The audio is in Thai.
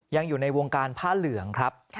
ยังอยู่ในวงการผ้าเหลืองครับ